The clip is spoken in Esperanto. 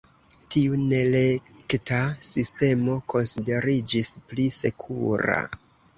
Tiu nerekta sistemo konsideriĝis "pli sekura".